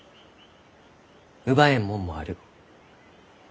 奪えんもんもある。